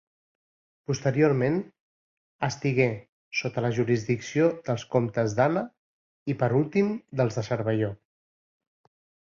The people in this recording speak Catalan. Posteriorment, estigué sota la jurisdicció dels comtes d'Anna i, per últim dels de Cervelló.